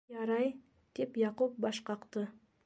- Ярай, - тип, Яҡуп баш ҡаҡты.